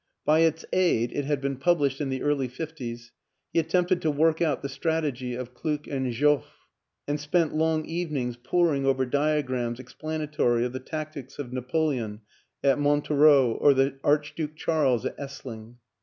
By its aid it had been published in the early 'fifties he attempted to work out the strategy of Kluck and Joffre, and spent long evenings poring over dia grams explanatory of the tactics of Napoleon at Montereau or the Archduke Charles at Essling.